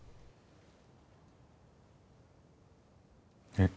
えっ？